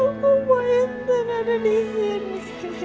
aku mau intan ada disini